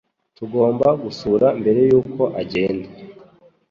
Tugomba gusura mbere yuko agenda.